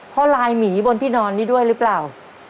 เพราะลายหมีบนที่นอนนี้ด้วยหรือเปล่า